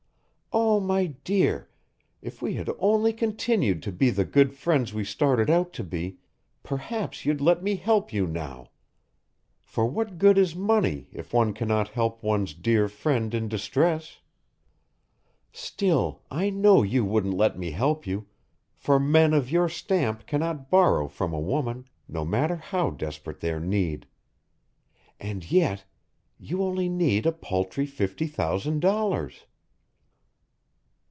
Oh, my dear, if we had only continued to be the good friends we started out to be, perhaps you'd let me help you now. For what good is money if one cannot help one's dear friends in distress. Still, I know you wouldn't let me help you, for men of your stamp cannot borrow from a woman, no matter how desperate their need. And yet you only need a paltry fifty thousand dollars!"